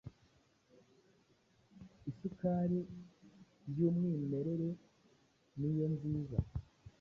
isukari y’umwimerere niyonziza